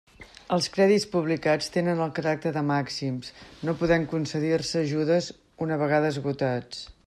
Els crèdits publicats tenen el caràcter de màxims, no podent concedir-se ajudes una vegada esgotats.